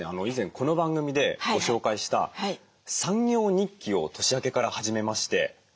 以前この番組でご紹介した３行日記を年明けから始めまして。